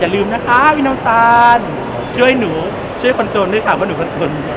ลืมนะคะพี่น้ำตาลช่วยหนูช่วยคนจนด้วยค่ะว่าหนูคนจน